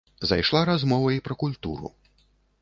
Зайшла размова і пра культуру.